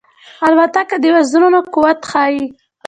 الوتکه د وزرونو قوت ښيي.